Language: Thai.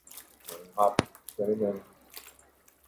หมดยังครับ ช่วยนิดนึง